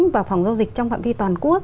và phòng giao dịch trong phạm vi toàn quốc